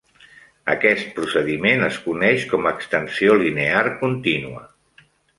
Aquest procediment es coneix com extensió linear contínua.